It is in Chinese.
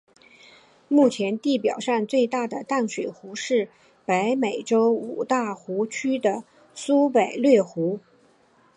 目前地表上最大的淡水湖则是北美洲五大湖区的苏必略湖。